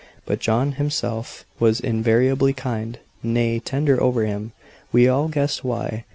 But John himself was invariably kind, nay, tender over him we all guessed why.